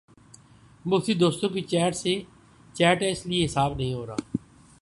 مختلف دوستوں کی چیٹ ہے اس لیے حساب نہیں رہا